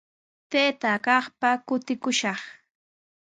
Taytaa kaqpa kutikushaq.